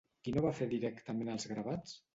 Qui no va fer directament els gravats?